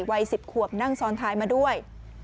วัย๑๐ขวบนั่งซ้อนท้ายมาด้วย